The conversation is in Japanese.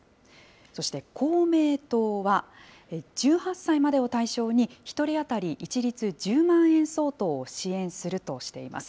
そして公明党は、１８歳までを対象に、１人当たり一律１０万円相当を支援するとしています。